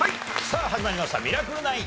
さあ始まりました『ミラクル９』。